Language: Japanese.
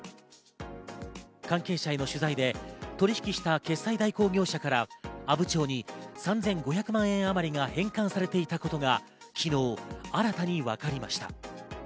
関係者への取材で取引した決済代行業者から阿武町に３５００万円あまりが返還されていたことが昨日新たに分かりました。